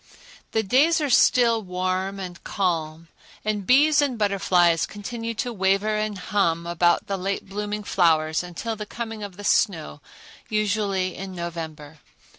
The days are still warm and calm, and bees and butterflies continue to waver and hum about the late blooming flowers until the coming of the snow, usually in November.